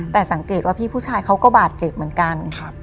แต่สังเกตว่าพี่ผู้ชายเขาก็บาดเจ็บเหมือนกัน